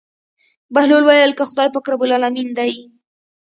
بهلول وويل که خداى پاک رب العلمين دى.